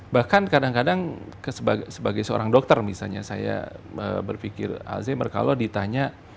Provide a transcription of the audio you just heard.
bahkan kadang kadang sebagai seorang dokter misalnya saya berpikir alzheimer kalau ditanya